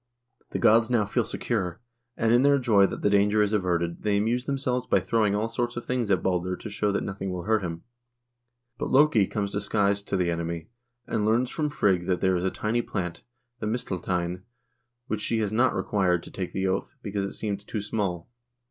The gods now feel secure, and in their joy that the danger is averted, they amuse themselves by throwing all sorts of things at Balder to show that nothing will hurt him. But Loke comes disguised to the assembly, and learns from Frigg that there is a tiny plant, the mistilteinn, which she has not required to take the oath, because it seemed too small.